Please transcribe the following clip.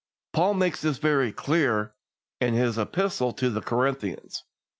Paul makes this point very clear in his Epistle to the Corinthians.